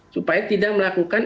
supaya tidak melakukan